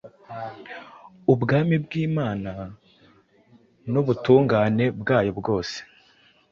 ubwami bw’Imana n’ubutungane bwayo bwose